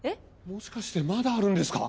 もしかしてまだあるんですか？